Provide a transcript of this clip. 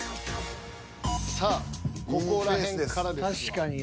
さあここら辺からですよ。